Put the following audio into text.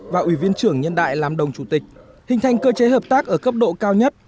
và ủy viên trưởng nhân đại làm đồng chủ tịch hình thành cơ chế hợp tác ở cấp độ cao nhất